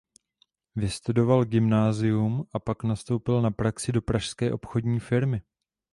Vystudoval gymnázium a pak nastoupil na praxi do pražské obchodní firmy.